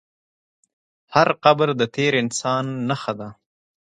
هر قبر د تېر انسان نښه ده.